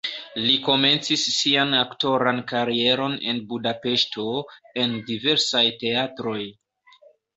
Li komencis sian aktoran karieron en Budapeŝto en diversaj teatroj.